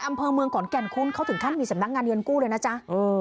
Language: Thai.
อำเภอเมืองขอนแก่นคุณเขาถึงขั้นมีสำนักงานเงินกู้เลยนะจ๊ะ